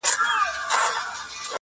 مسابقه د جسمي او روحي صحت سبب دی.